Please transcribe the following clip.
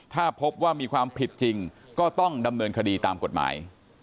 ถ้าพบว่ามีความผิดจริงก็ต้องดำเนินคดีตามกฎหมาย